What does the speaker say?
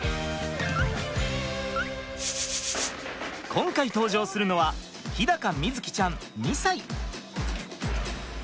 今回登場するのは日高瑞己ちゃん２さい。